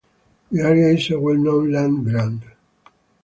The area is a well known Land Grant.